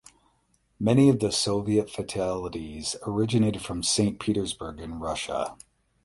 Many of the Soviet fatalities originated from Saint Petersburg in Russia.